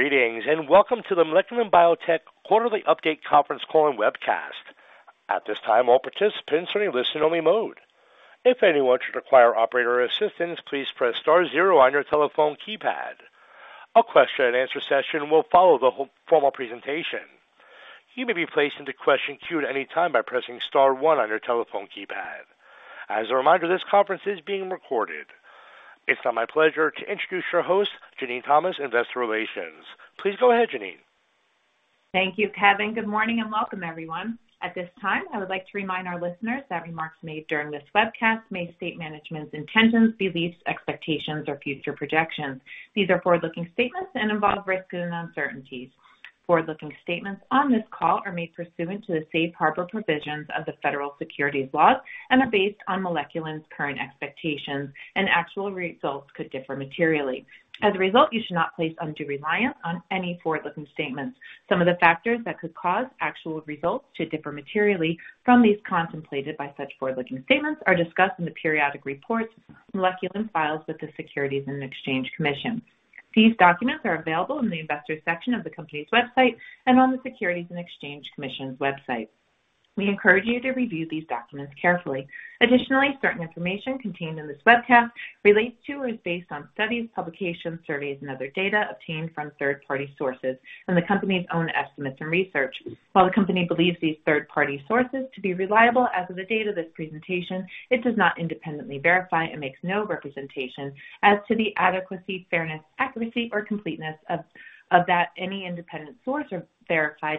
Greetings and welcome to the Moleculin Biotech Quarterly Update Conference Call and Webcast. At this time, all participants are in listen-only mode. If anyone should require operator assistance, please press star zero on your telephone keypad. A question-and-answer session will follow the formal presentation. You may be placed into question queue at any time by pressing star one on your telephone keypad. As a reminder, this conference is being recorded. It's now my pleasure to introduce your host, Jenene Thomas, Investor Relations. Please go ahead, Jenene. Thank you, Kevin. Good morning and welcome, everyone. At this time, I would like to remind our listeners that remarks made during this webcast may state management's intentions, beliefs, expectations, or future projections. These are forward-looking statements and involve risks and uncertainties. Forward-looking statements on this call are made pursuant to the safe harbor provisions of the federal securities laws and are based on Moleculin's current expectations, and actual results could differ materially. As a result, you should not place undue reliance on any forward-looking statements. Some of the factors that could cause actual results to differ materially from these contemplated by such forward-looking statements are discussed in the periodic reports Moleculin files with the Securities and Exchange Commission. These documents are available in the investor section of the company's website and on the Securities and Exchange Commission's website. We encourage you to review these documents carefully. Additionally, certain information contained in this webcast relates to or is based on studies, publications, surveys, and other data obtained from third-party sources and the company's own estimates and research. While the company believes these third-party sources to be reliable as of the date of this presentation, it does not independently verify and makes no representation as to the adequacy, fairness, accuracy, or completeness of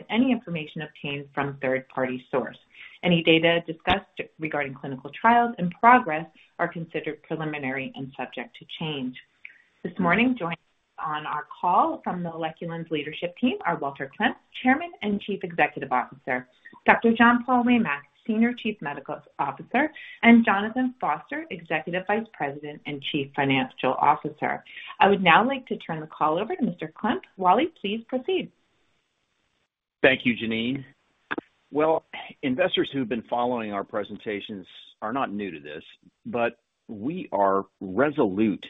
any information obtained from third-party sources. Any data discussed regarding clinical trials and progress are considered preliminary and subject to change. This morning, joining on our call from the Moleculin's leadership team are Walter Klemp, Chairman and Chief Executive Officer, Dr. John Paul Waymack, Senior Chief Medical Officer, and Jonathan Foster, Executive Vice President and Chief Financial Officer. I would now like to turn the call over to Mr. Klemp. Wally, please proceed. Thank you, Jenene. Investors who have been following our presentations are not new to this, but we are resolute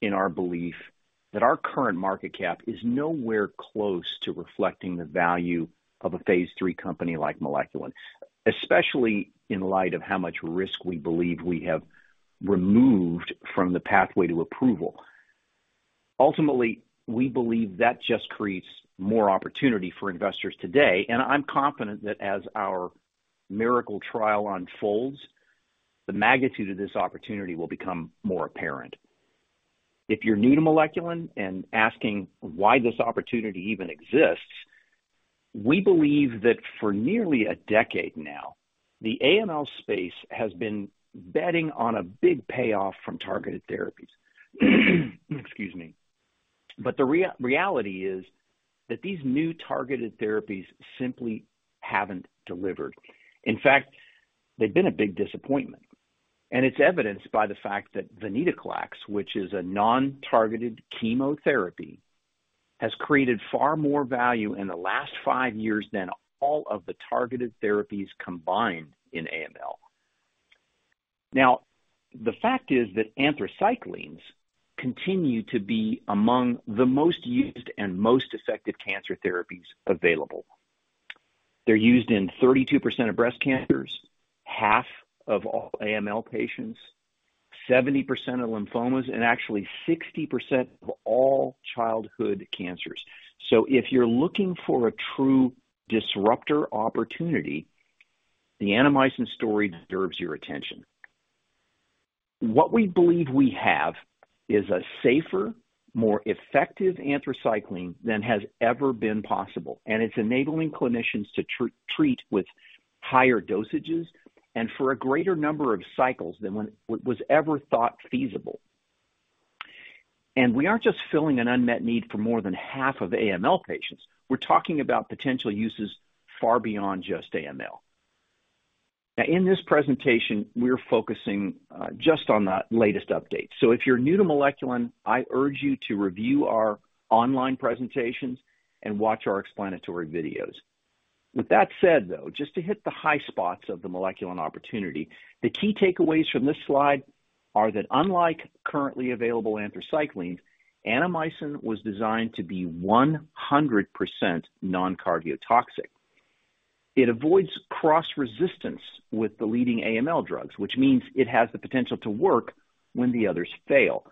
in our belief that our current market cap is nowhere close to reflecting the value of a phase III company like Moleculin, especially in light of how much risk we believe we have removed from the pathway to approval. Ultimately, we believe that just creates more opportunity for investors today, and I'm confident that as our miracle trial unfolds, the magnitude of this opportunity will become more apparent. If you're new to Moleculin and asking why this opportunity even exists, we believe that for nearly a decade now, the AML space has been betting on a big payoff from targeted therapies. Excuse me, but the reality is that these new targeted therapies simply haven't delivered. In fact, they've been a big disappointment, and it's evidenced by the fact that Venetoclax, which is a non-targeted chemotherapy, has created far more value in the last five years than all of the targeted therapies combined in AML. Now, the fact is that anthracyclines continue to be among the most used and most effective cancer therapies available. They're used in 32% of breast cancers, half of all AML patients, 70% of lymphomas, and actually 60% of all childhood cancers. So if you're looking for a true disruptor opportunity, the Annamycin story deserves your attention. What we believe we have is a safer, more effective anthracycline than has ever been possible, and it's enabling clinicians to treat with higher dosages and for a greater number of cycles than what was ever thought feasible, and we aren't just filling an unmet need for more than half of AML patients. We're talking about potential uses far beyond just AML. Now, in this presentation, we're focusing just on the latest updates. So if you're new to Moleculin, I urge you to review our online presentations and watch our explanatory videos. With that said, though, just to hit the high spots of the Moleculin opportunity, the key takeaways from this slide are that unlike currently available anthracyclines, Annamycin was designed to be 100% non-cardiotoxic. It avoids cross-resistance with the leading AML drugs, which means it has the potential to work when the others fail.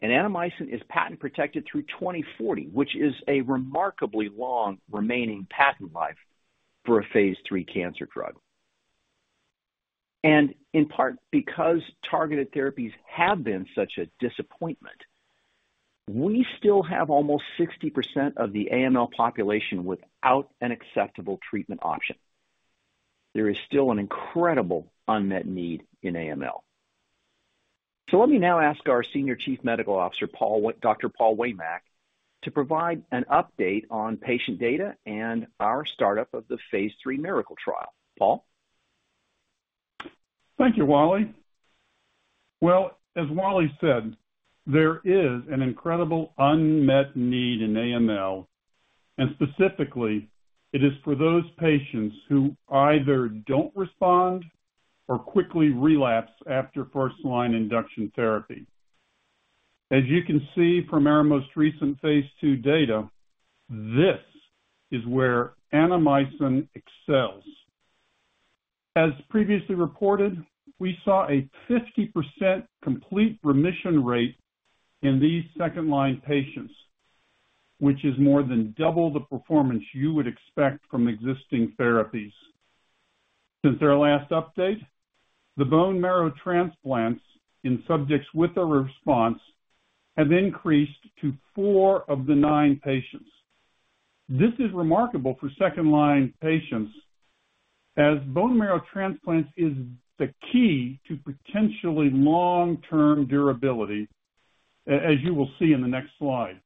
And Annamycin is patent-protected through 2040, which is a remarkably long remaining patent life for a Phase III cancer drug. And in part because targeted therapies have been such a disappointment, we still have almost 60% of the AML population without an acceptable treatment option. There is still an incredible unmet need in AML. Let me now ask our Senior Chief Medical Officer, Dr. Paul Waymack, to provide an update on patient data and our startup of the phase III MIRACLE trial. Paul? Thank you, Walter. As Walter said, there is an incredible unmet need in AML, and specifically, it is for those patients who either don't respond or quickly relapse after first-line induction therapy. As you can see from our most recent phase II data, this is where Annamycin excels. As previously reported, we saw a 50% complete remission rate in these second-line patients, which is more than double the performance you would expect from existing therapies. Since our last update, the bone marrow transplants in subjects with a response have increased to four of the nine patients. This is remarkable for second-line patients, as bone marrow transplants are the key to potentially long-term durability, as you will see in the next slide.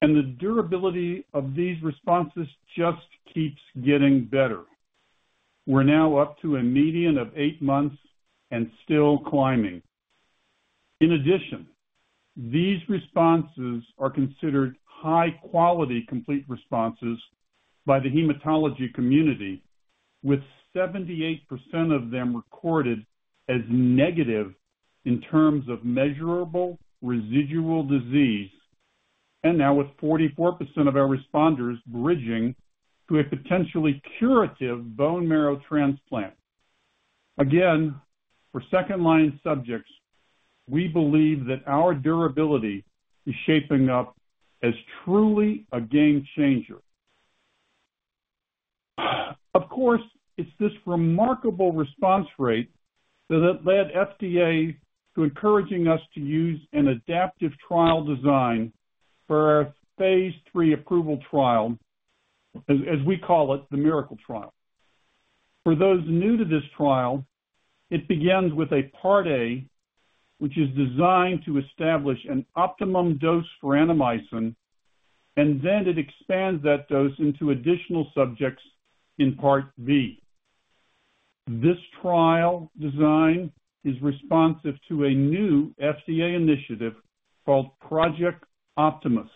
The durability of these responses just keeps getting better. We're now up to a median of eight months and still climbing. In addition, these responses are considered high-quality complete responses by the hematology community, with 78% of them recorded as negative in terms of measurable residual disease, and now with 44% of our responders bridging to a potentially curative bone marrow transplant. Again, for second-line subjects, we believe that our durability is shaping up as truly a game changer. Of course, it's this remarkable response rate that led FDA to encouraging us to use an adaptive trial design for our phase III approval trial, as we call it, the MIRACLE trial. For those new to this trial, it begins with a Part A, which is designed to establish an optimum dose for Annamycin, and then it expands that dose into additional subjects in Part B. This trial design is responsive to a new FDA initiative called Project Optimus,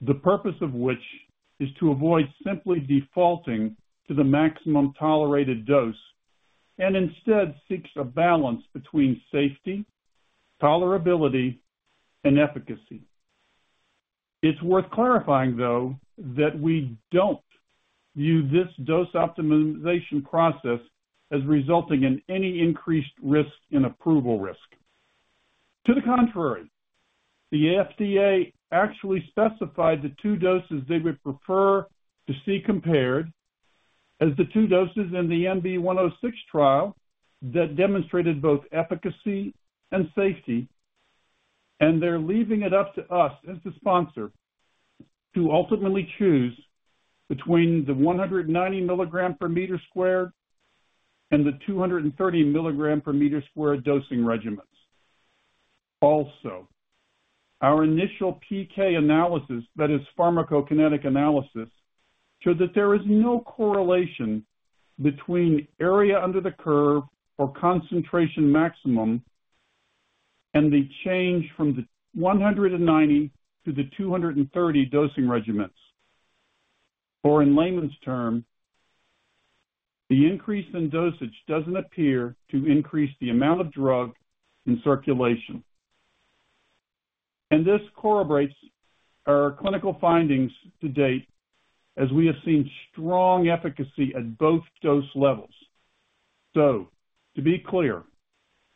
the purpose of which is to avoid simply defaulting to the maximum tolerated dose and instead seeks a balance between safety, tolerability, and efficacy. It's worth clarifying, though, that we don't view this dose optimization process as resulting in any increased risk in approval risk. To the contrary, the FDA actually specified the two doses they would prefer to see compared as the two doses in the MB-106 trial that demonstrated both efficacy and safety, and they're leaving it up to us as the sponsor to ultimately choose between the 190 milligrams per meter squared and the 230 milligrams per meter squared dosing regimens. Also, our initial PK analysis, that is, pharmacokinetic analysis, showed that there is no correlation between area under the curve or concentration maximum and the change from the 190 to the 230 dosing regimens. Or in layman's terms, the increase in dosage doesn't appear to increase the amount of drug in circulation. And this corroborates our clinical findings to date, as we have seen strong efficacy at both dose levels. So to be clear,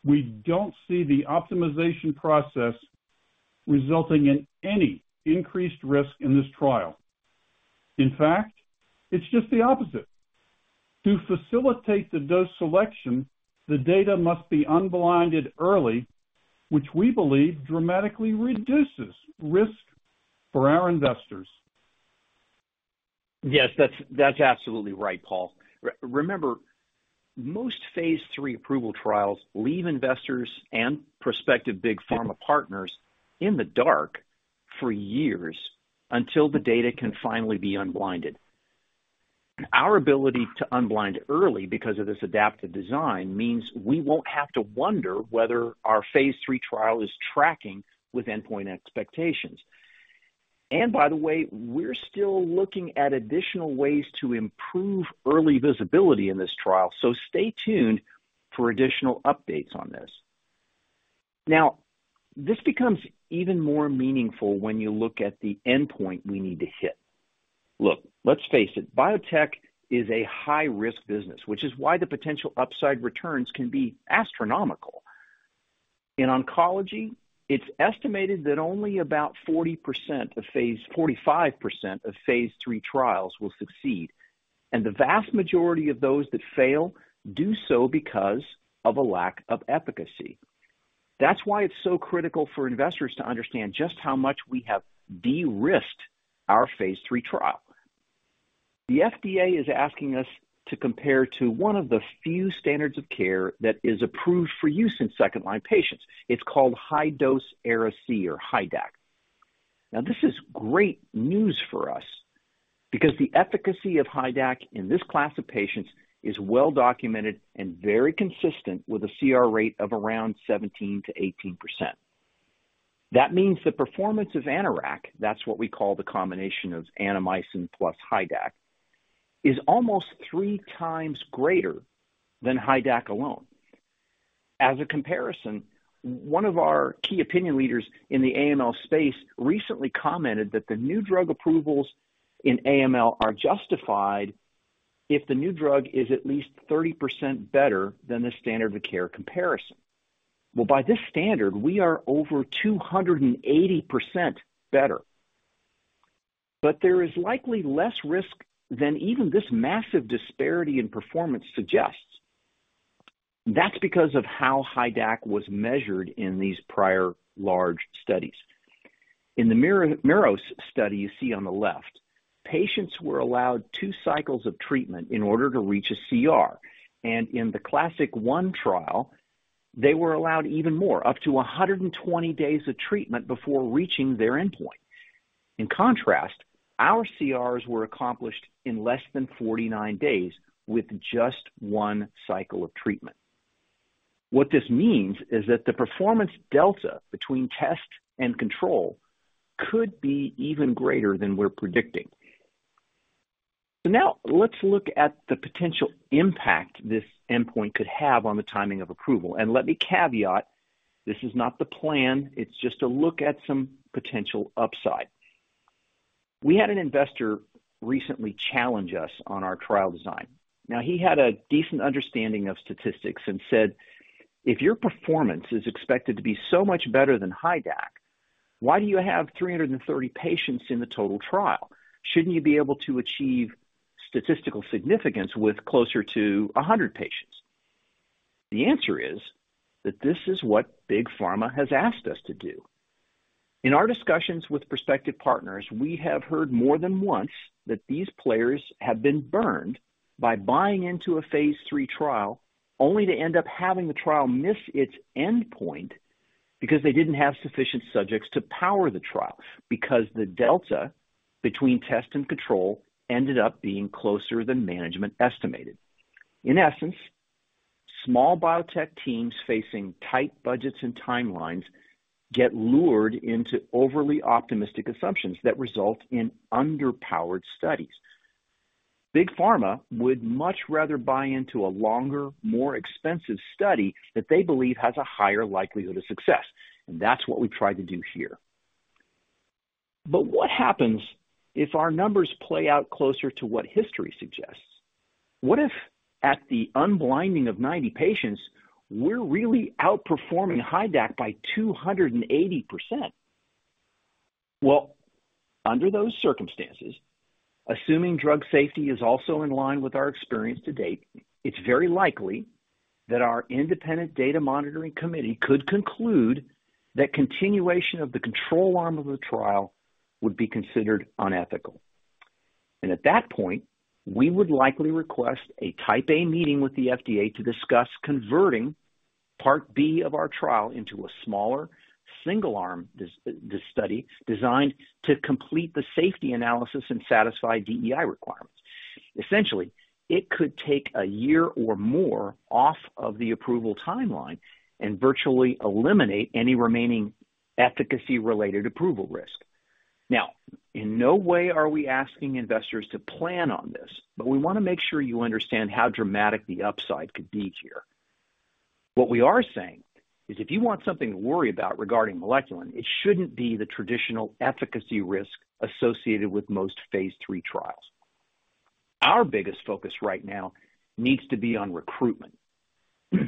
we don't see the optimization process resulting in any increased risk in this trial. In fact, it's just the opposite. To facilitate the dose selection, the data must be unblinded early, which we believe dramatically reduces risk for our investors. Yes, that's absolutely right, Paul. Remember, most phase III approval trials leave investors and prospective big pharma partners in the dark for years until the data can finally be unblinded. Our ability to unblind early because of this adaptive design means we won't have to wonder whether our phase III trial is tracking with endpoint expectations. And by the way, we're still looking at additional ways to improve early visibility in this trial, so stay tuned for additional updates on this. Now, this becomes even more meaningful when you look at the endpoint we need to hit. Look, let's face it, biotech is a high-risk business, which is why the potential upside returns can be astronomical. In oncology, it's estimated that only about 40% of phase IV, 45% of phase III trials will succeed, and the vast majority of those that fail do so because of a lack of efficacy. That's why it's so critical for investors to understand just how much we have de-risked our phase III trial. The FDA is asking us to compare to one of the few standards of care that is approved for use in second-line patients. It's called high-dose Ara-C or HiDAC. Now, this is great news for us because the efficacy of HiDAC in this class of patients is well-documented and very consistent with a CR rate of around 17%-18%. That means the performance of AnnAraC, that's what we call the combination of Annamycin plus HiDAC, is almost three times greater than HiDAC alone. As a comparison, one of our key opinion leaders in the AML space recently commented that the new drug approvals in AML are justified if the new drug is at least 30% better than the standard of care comparison. By this standard, we are over 280% better, but there is likely less risk than even this massive disparity in performance suggests. That's because of how HiDAC was measured in these prior large studies. In the MIRACLE study you see on the left, patients were allowed two cycles of treatment in order to reach a CR, and in the CLASSIC I trial, they were allowed even more, up to 120 days of treatment before reaching their endpoint. In contrast, our CRs were accomplished in less than 49 days with just one cycle of treatment. What this means is that the performance delta between test and control could be even greater than we're predicting. So now let's look at the potential impact this endpoint could have on the timing of approval. Let me caveat, this is not the plan. It's just a look at some potential upside. We had an investor recently challenge us on our trial design. Now, he had a decent understanding of statistics and said, "If your performance is expected to be so much better than HiDAC, why do you have 330 patients in the total trial? Shouldn't you be able to achieve statistical significance with closer to 100 patients?" The answer is that this is what big pharma has asked us to do. In our discussions with prospective partners, we have heard more than once that these players have been burned by buying into a phase III trial only to end up having the trial miss its endpoint because they didn't have sufficient subjects to power the trial, because the delta between test and control ended up being closer than management estimated. In essence, small biotech teams facing tight budgets and timelines get lured into overly optimistic assumptions that result in underpowered studies. Big pharma would much rather buy into a longer, more expensive study that they believe has a higher likelihood of success. And that's what we've tried to do here. But what happens if our numbers play out closer to what history suggests? What if at the unblinding of 90 patients, we're really outperforming HiDAC by 280%? Well, under those circumstances, assuming drug safety is also in line with our experience to date, it's very likely that our independent data monitoring committee could conclude that continuation of the control arm of the trial would be considered unethical. And at that point, we would likely request a Type A meeting with the FDA to discuss converting Part B of our trial into a smaller single-arm study designed to complete the safety analysis and satisfy DEI requirements. Essentially, it could take a year or more off of the approval timeline and virtually eliminate any remaining efficacy-related approval risk. Now, in no way are we asking investors to plan on this, but we want to make sure you understand how dramatic the upside could be here. What we are saying is if you want something to worry about regarding Moleculin, it shouldn't be the traditional efficacy risk associated with most phase III trials. Our biggest focus right now needs to be on recruitment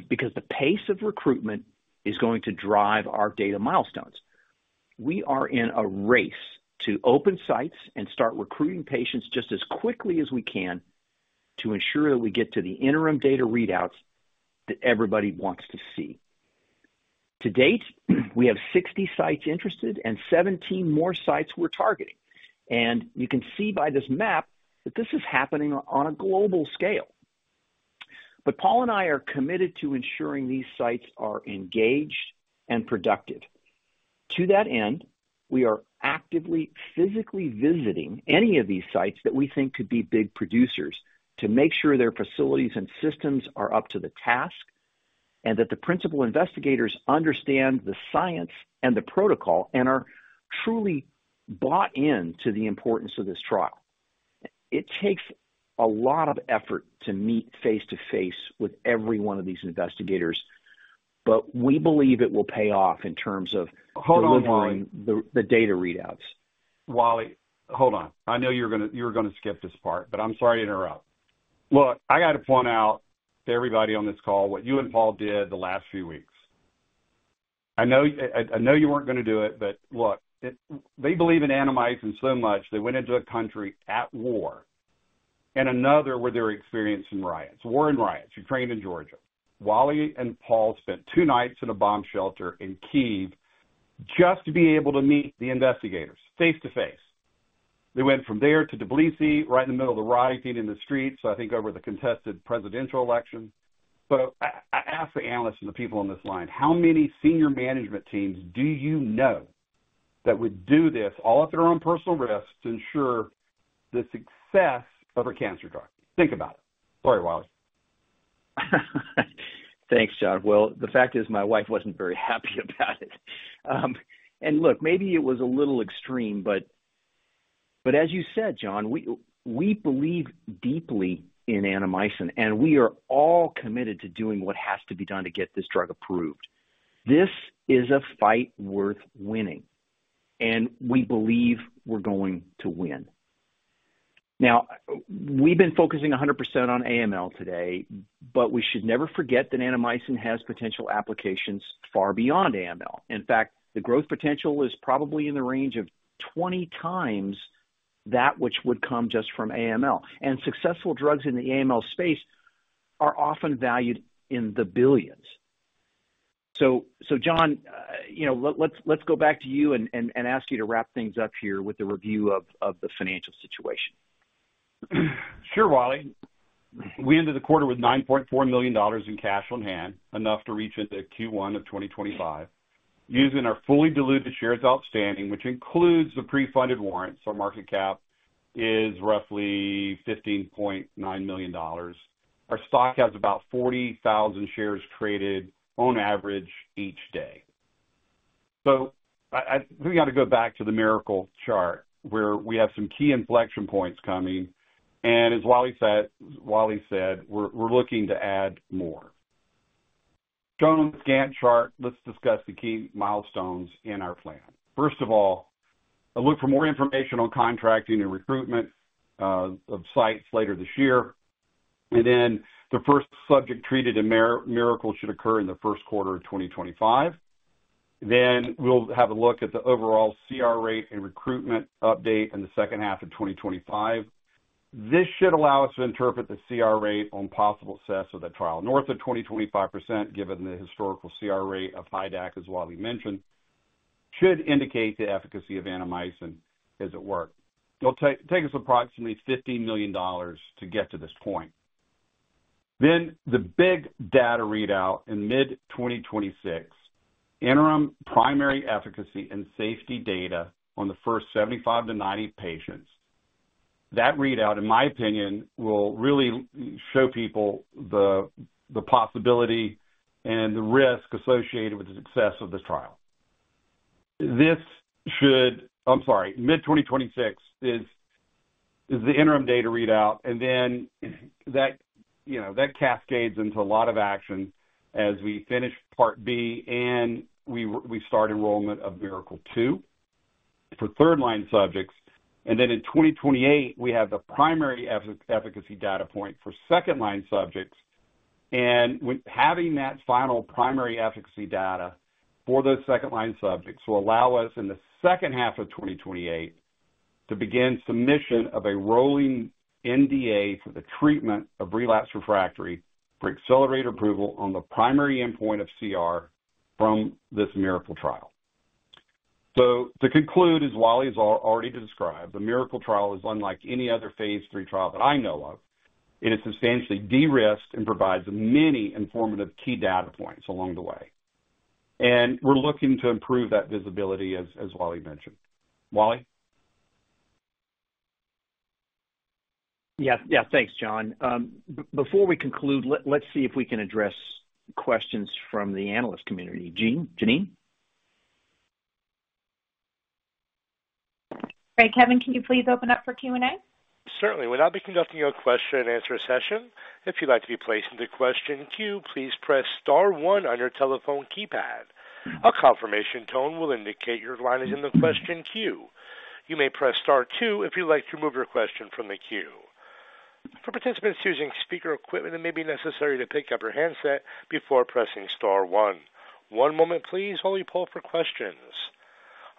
because the pace of recruitment is going to drive our data milestones. We are in a race to open sites and start recruiting patients just as quickly as we can to ensure that we get to the interim data readouts that everybody wants to see. To date, we have 60 sites interested and 17 more sites we're targeting. And you can see by this map that this is happening on a global scale. But Paul and I are committed to ensuring these sites are engaged and productive. To that end, we are actively physically visiting any of these sites that we think could be big producers to make sure their facilities and systems are up to the task and that the principal investigators understand the science and the protocol and are truly bought into the importance of this trial. It takes a lot of effort to meet face to face with every one of these investigators, but we believe it will pay off in terms of delivering the data readouts. Hold on. I know you're going to skip this part, but I'm sorry to interrupt. Look, I got to point out to everybody on this call what you and Paul did the last few weeks. I know you weren't going to do it, but look, they believe in Annamycin so much, they went into a country at war and another where they were experiencing riots, war and riots, Ukraine and Georgia. Wally and Paul spent two nights in a bomb shelter in Kyiv just to be able to meet the investigators face to face. They went from there to Tbilisi, right in the middle of the rioting in the streets, I think over the contested presidential election. But I asked the analysts and the people on this line, "How many senior management teams do you know that would do this all at their own personal risk to ensure the success of a cancer drug?" Think about it. Sorry, Walter. Thanks, John. The fact is my wife wasn't very happy about it. Look, maybe it was a little extreme, but as you said, John, we believe deeply in Annamycin, and we are all committed to doing what has to be done to get this drug approved. This is a fight worth winning, and we believe we're going to win. Now, we've been focusing 100% on AML today, but we should never forget that Annamycin has potential applications far beyond AML. In fact, the growth potential is probably in the range of 20 times that which would come just from AML. Successful drugs in the AML space are often valued in the billions. John, let's go back to you and ask you to wrap things up here with the review of the financial situation. Sure, Wally. We ended the quarter with $9.4 million in cash on hand, enough to reach into Q1 of 2025. Using our fully diluted shares outstanding, which includes the pre-funded warrants, our market cap is roughly $15.9 million. Our stock has about 40,000 shares traded on average each day. So we got to go back to the MIRACLE chart where we have some key inflection points coming, and as Wally said, we're looking to add more. John, on the Gantt chart, let's discuss the key milestones in our plan. First of all, a look for more information on contracting and recruitment of sites later this year, and then the first subject treated in MIRACLE should occur in the first quarter of 2025. Then we'll have a look at the overall CR rate and recruitment update in the second half of 2025. This should allow us to interpret the CR rate on possible success of the trial. North of 20%-25%, given the historical CR rate of HiDAC, as Wally mentioned, should indicate the efficacy of Annamycin as it were. It'll take us approximately $15 million to get to this point. Then the big data readout in mid-2026, interim primary efficacy and safety data on the first 75-90 patients. That readout, in my opinion, will really show people the possibility and the risk associated with the success of the trial. This should, I'm sorry, mid-2026 is the interim data readout. And then that cascades into a lot of action as we finish Part B and we start enrollment of MIRACLE II for third-line subjects. And then in 2028, we have the primary efficacy data point for second-line subjects. Having that final primary efficacy data for those second-line subjects will allow us in the second half of 2028 to begin submission of a rolling NDA for the treatment of relapsed refractory for accelerated approval on the primary endpoint of CR from this MIRACLE trial. To conclude, as Wally has already described, the MIRACLE trial is unlike any other phase III trial that I know of. It is substantially de-risked and provides many informative key data points along the way. We're looking to improve that visibility, as Wally mentioned. Wally? Yes. Yeah. Thanks, John. Before we conclude, let's see if we can address questions from the analyst community. Jenene? Hey, Kevin, can you please open up for Q&A? Certainly. We'll now be conducting a question-and-answer session. If you'd like to be placed into question queue, please press star one on your telephone keypad. A confirmation tone will indicate your line is in the question queue. You may press star two if you'd like to remove your question from the queue. For participants using speaker equipment, it may be necessary to pick up your handset before pressing star one. One moment, please, while we pull up for questions.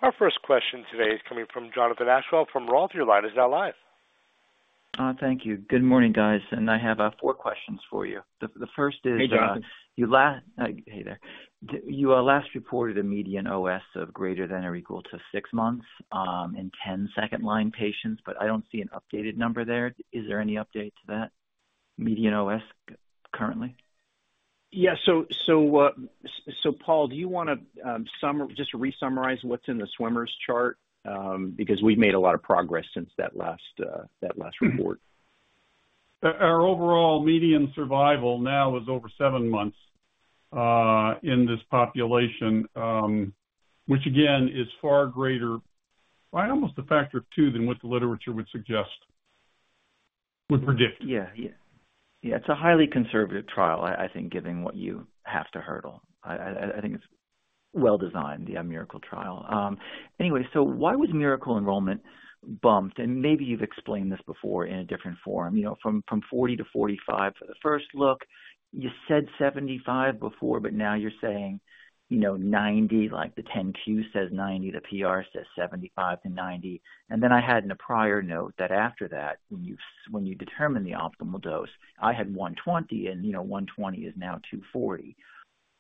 Our first question today is coming from Jonathan Aschoff from Roth MKM. Line is now live. Thank you. Good morning, guys. And I have four questions for you. The first is. Hey, John. Hey there. You last reported a median OS of greater than or equal to six months in 10 second-line patients, but I don't see an updated number there. Is there any update to that median OS currently? Yeah. So Paul, do you want to just resummarize what's in the swimmer's chart? Because we've made a lot of progress since that last report. Our overall median survival now is over seven months in this population, which again is far greater, almost a factor of two than what the literature would suggest, would predict. Yeah. Yeah. Yeah. It's a highly conservative trial, I think, given what you have to hurdle. I think it's well-designed, the MIRACLE trial. Anyway, so why was MIRACLE enrollment bumped? And maybe you've explained this before in a different form. From 40 to 45 for the first look, you said 75 before, but now you're saying 90, like the 10-Q says 90, the PR says 75-90. And then I had in a prior note that after that, when you determine the optimal dose, I had 120, and 120 is now 240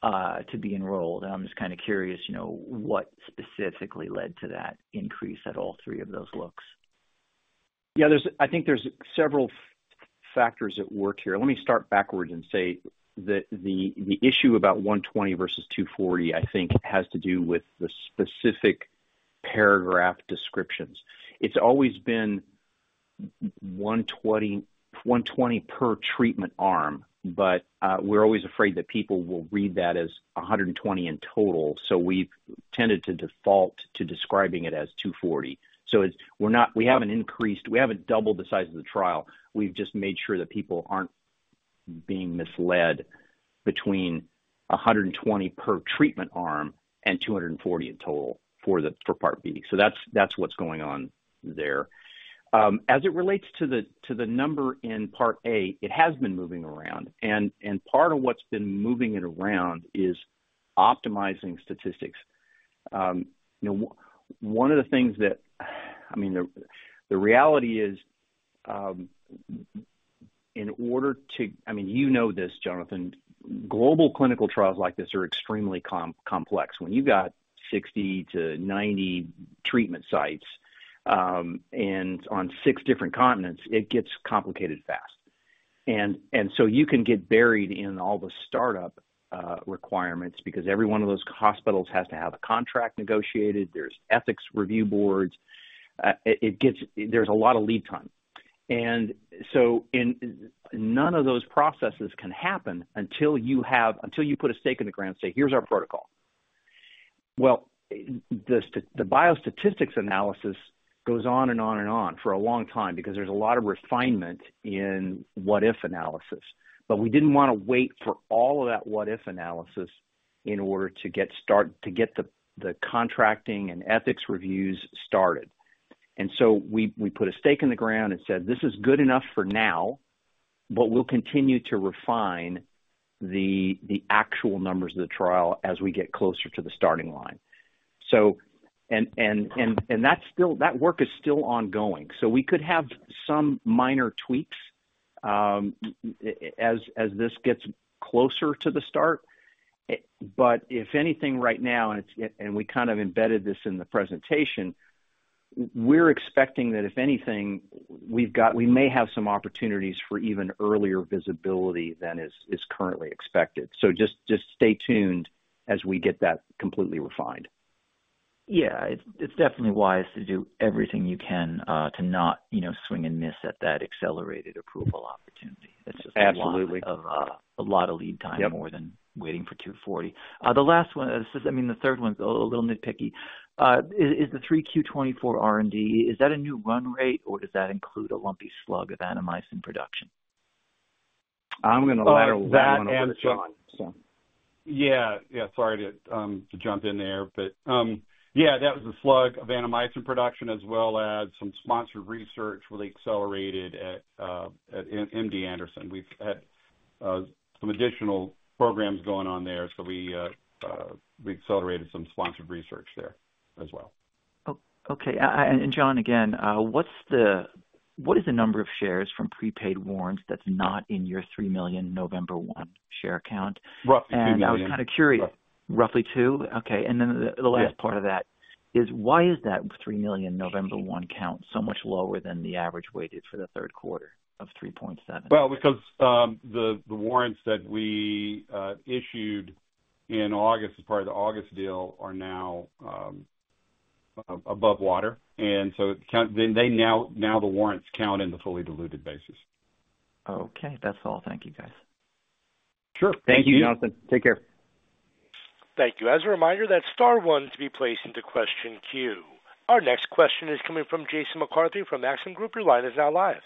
to be enrolled. And I'm just kind of curious what specifically led to that increase at all three of those looks. Yeah. I think there's several factors at work here. Let me start backwards and say that the issue about 120 versus 240, I think, has to do with the specific paragraph descriptions. It's always been 120 per treatment arm, but we're always afraid that people will read that as 120 in total. So we've tended to default to describing it as 240. So we haven't increased, we haven't doubled the size of the trial. We've just made sure that people aren't being misled between 120 per treatment arm and 240 in total for Part B. So that's what's going on there. As it relates to the number in Part A, it has been moving around, and part of what's been moving it around is optimizing statistics. One of the things that, I mean, the reality is in order to, I mean, you know this, Jonathan, global clinical trials like this are extremely complex. When you've got 60-90 treatment sites on six different continents, it gets complicated fast. And so you can get buried in all the startup requirements because every one of those hospitals has to have a contract negotiated. There's ethics review boards. There's a lot of lead time. And so none of those processes can happen until you put a stake in the ground, say, "Here's our protocol." Well, the biostatistics analysis goes on and on and on for a long time because there's a lot of refinement in what-if analysis. But we didn't want to wait for all of that what-if analysis in order to get the contracting and ethics reviews started. And so we put a stake in the ground and said, "This is good enough for now, but we'll continue to refine the actual numbers of the trial as we get closer to the starting line." And that work is still ongoing. So we could have some minor tweaks as this gets closer to the start. But if anything right now, and we kind of embedded this in the presentation, we're expecting that if anything, we may have some opportunities for even earlier visibility than is currently expected. So just stay tuned as we get that completely refined. Yeah. It's definitely wise to do everything you can to not swing and miss at that accelerated approval opportunity. That's just a lot of lead time more than waiting for 240. The last one, I mean, the third one's a little nitpicky, is the 3Q24 R&D. Is that a new run rate, or does that include a lumpy slug of Annamycin production? I'm going to elaborate on the answer. Yeah. Yeah. Sorry to jump in there, but yeah, that was a slug of Annamycin production as well as some sponsored research that we accelerated at MD Anderson. We've had some additional programs going on there, so we accelerated some sponsored research there as well. Okay. And John, again, what is the number of shares from pre-funded warrants that's not in your 3 million November 1 share count? Roughly two million. I was kind of curious. Roughly 2? Okay. And then the last part of that is why is that 3 million November 1 count so much lower than the average weighted for the third quarter of 3.7? Because the warrants that we issued in August as part of the August deal are now above water. Now the warrants count in the fully diluted basis. Okay. That's all. Thank you, guys. Sure. Thank you, Jonathan. Take care. Thank you. As a reminder, that star one to be placed into question queue. Our next question is coming from Jason McCarthy from Maxim Group. Your line is now live.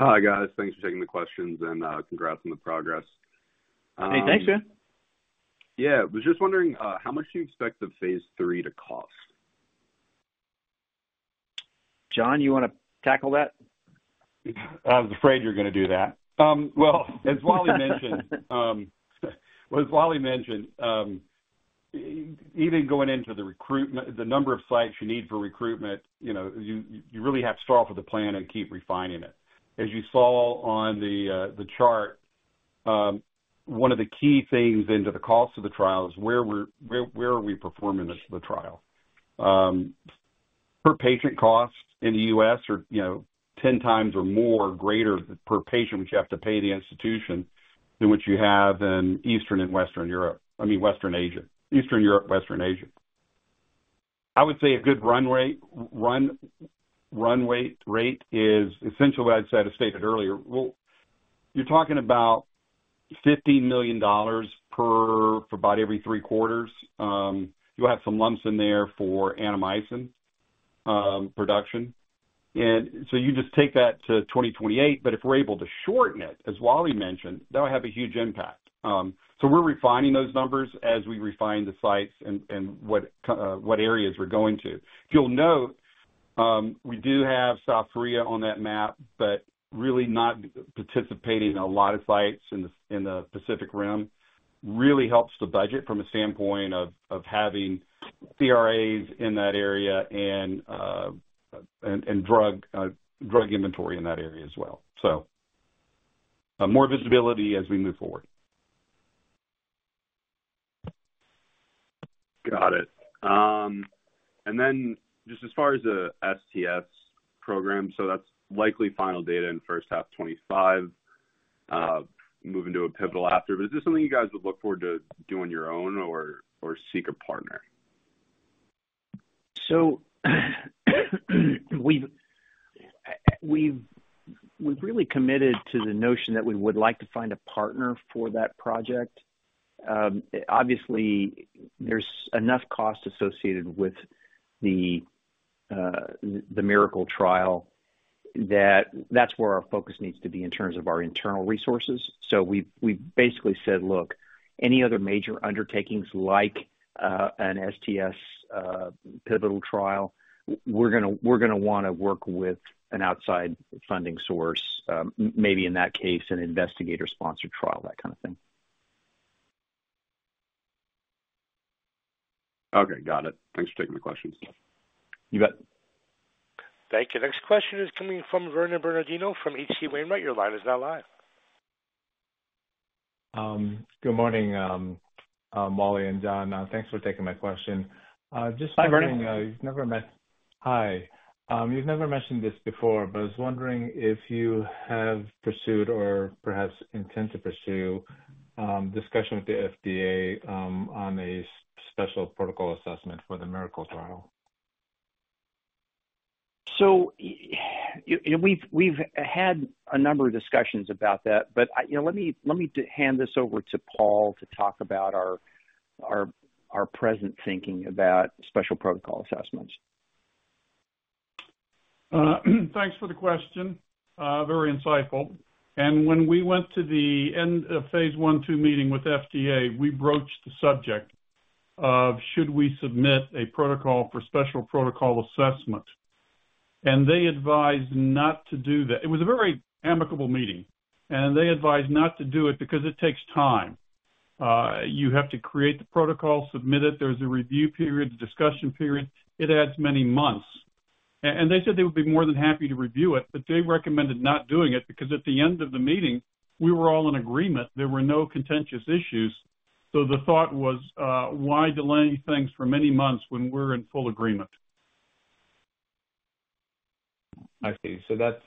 Hi, guys. Thanks for taking the questions and congrats on the progress. Hey, thanks, man. Yeah. I was just wondering how much do you expect the phase III to cost? John, you want to tackle that? I was afraid you're going to do that. Well, as Wally mentioned, even going into the number of sites you need for recruitment, you really have to start off with a plan and keep refining it. As you saw on the chart, one of the key things into the cost of the trial is where are we performing the trial. Per patient cost in the U.S., 10 times or more greater per patient which you have to pay the institution than what you have in Eastern and Western Europe. I mean, Western Asia. Eastern Europe, Western Asia. I would say a good run rate is essentially what I stated earlier. Well, you're talking about $15 million per about every three quarters. You'll have some lumps in there for Annamycin production. And so you just take that to 2028, but if we're able to shorten it, as Wally mentioned, that will have a huge impact. So we're refining those numbers as we refine the sites and what areas we're going to. You'll note we do have South Korea on that map, but really not participating in a lot of sites in the Pacific Rim. Really helps the budget from a standpoint of having CRAs in that area and drug inventory in that area as well. So more visibility as we move forward. Got it, and then just as far as the STS program, so that's likely final data in first half 2025, moving to a pivotal after. But is this something you guys would look forward to doing your own or seek a partner? So we've really committed to the notion that we would like to find a partner for that project. Obviously, there's enough cost associated with the MIRACLE trial that that's where our focus needs to be in terms of our internal resources. So we basically said, "Look, any other major undertakings like an STS pivotal trial, we're going to want to work with an outside funding source, maybe in that case, an investigator-sponsored trial," that kind of thing. Okay. Got it. Thanks for taking my questions. You bet. Thank you. Next question is coming from Vernon Bernardino from HC Wainwright. Your line is now live. Good morning, Wally and John. Thanks for taking my question. Just wondering. Hi, Vernon. Hi. You've never mentioned this before, but I was wondering if you have pursued or perhaps intend to pursue discussion with the FDA on a special protocol assessment for the MIRACLE trial? So we've had a number of discussions about that, but let me hand this over to Paul to talk about our present thinking about special protocol assessments. Thanks for the question. Very insightful, and when we went to the end of phase I and II meeting with FDA, we broached the subject of should we submit a protocol for Special Protocol Assessment, and they advised not to do that. It was a very amicable meeting, and they advised not to do it because it takes time. You have to create the protocol, submit it. There's a review period, a discussion period. It adds many months, and they said they would be more than happy to review it, but they recommended not doing it because at the end of the meeting, we were all in agreement. There were no contentious issues, so the thought was, "Why delay things for many months when we're in full agreement? I see. So that's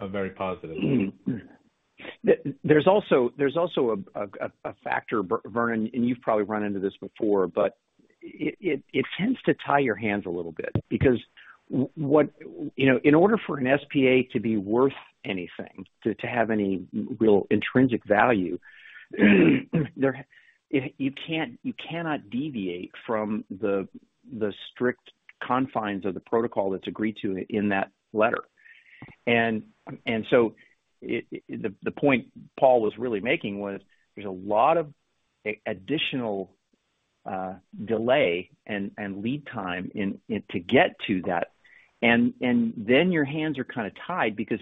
a very positive thing. There's also a factor, Vernon, and you've probably run into this before, but it tends to tie your hands a little bit because in order for an SPA to be worth anything, to have any real intrinsic value, you cannot deviate from the strict confines of the protocol that's agreed to in that letter. And so the point Paul was really making was there's a lot of additional delay and lead time to get to that. And then your hands are kind of tied because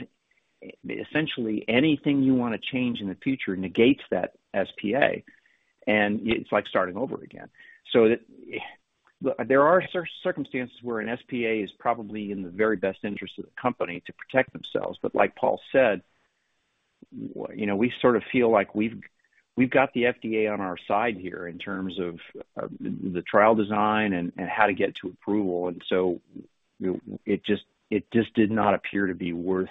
essentially anything you want to change in the future negates that SPA. And it's like starting over again. So there are circumstances where an SPA is probably in the very best interest of the company to protect themselves. But like Paul said, we sort of feel like we've got the FDA on our side here in terms of the trial design and how to get to approval. And so it just did not appear to be worth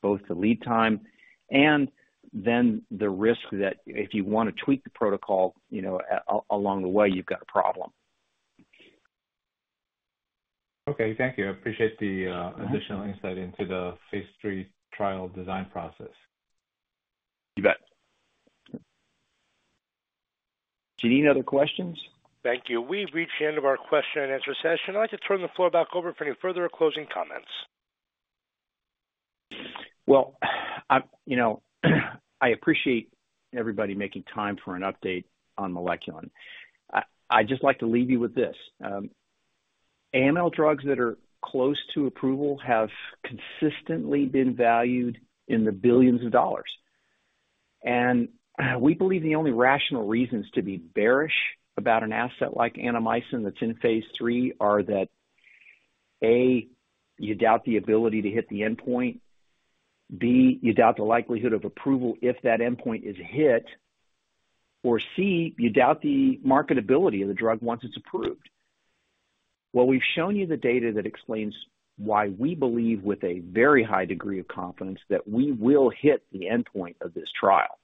both the lead time and then the risk that if you want to tweak the protocol along the way, you've got a problem. Okay. Thank you. I appreciate the additional insight into the phase III trial design process. You bet. Jenene, other questions? Thank you. We've reached the end of our question and answer session. I'd like to turn the floor back over for any further closing comments. I appreciate everybody making time for an update on Moleculin. I'd just like to leave you with this. AML drugs that are close to approval have consistently been valued in the billions of dollars. And we believe the only rational reasons to be bearish about an asset like Annamycin that's in phase III are that, A, you doubt the ability to hit the endpoint, B, you doubt the likelihood of approval if that endpoint is hit, or C, you doubt the marketability of the drug once it's approved. Well, we've shown you the data that explains why we believe with a very high degree of confidence that we will hit the endpoint of this trial.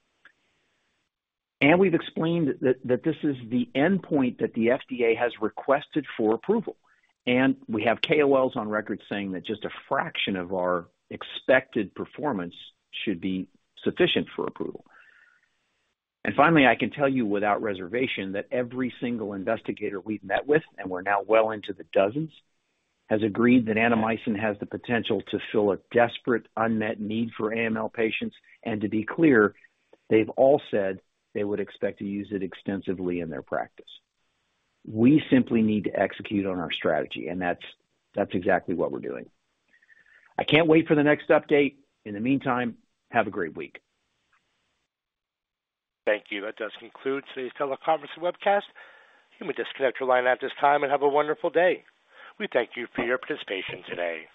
And we've explained that this is the endpoint that the FDA has requested for approval. We have KOLs on record saying that just a fraction of our expected performance should be sufficient for approval. Finally, I can tell you without reservation that every single investigator we've met with, and we're now well into the dozens, has agreed that Annamycin has the potential to fill a desperate unmet need for AML patients. To be clear, they've all said they would expect to use it extensively in their practice. We simply need to execute on our strategy, and that's exactly what we're doing. I can't wait for the next update. In the meantime, have a great week. Thank you. That does conclude today's teleconference and webcast. You may disconnect your line at this time and have a wonderful day. We thank you for your participation today.